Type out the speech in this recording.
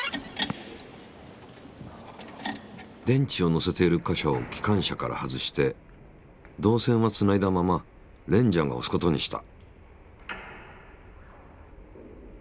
電池を載せている貨車を機関車から外して導線はつないだままレンジャーが押すことにした。